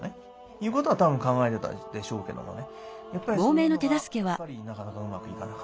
いうことはたぶん考えていたでしょうけどもね。